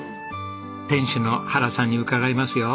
店主の原さんに伺いますよ。